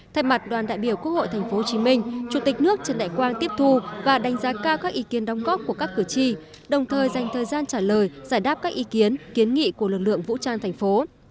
thay mặt đoàn đại biểu quốc hội tp hcm chủ tịch nước trần đại quang tiếp thu và đánh giá cao các ý kiến đóng góp của các cử tri đồng thời dành thời gian trả lời giải đáp các ý kiến kiến nghị của lực lượng vũ trang thành phố